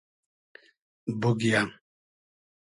بوگیۂ